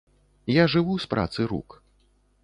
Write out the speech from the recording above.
Я жыву з працы рук.